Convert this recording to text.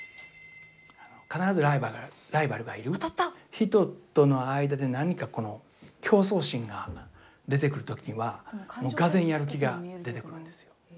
人との間で何か競争心が出てくる時はもうがぜんやる気が出てくるんですよ。